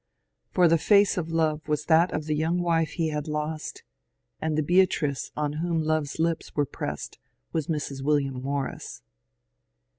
For tbe face of Love was that of the young wife be had lost, and tbe Beatrice on whom Love's lips were pressed was Mrs. William Morris.